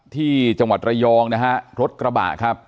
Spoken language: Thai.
ที่จังหวัดระยองนะฮะรถกระบะครับ